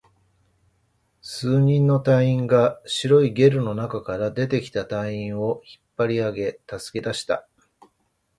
数人の隊員が白いゲルの中から出てきた隊員を引っ張り上げ、助け出した